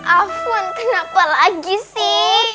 afwan kenapa lagi sih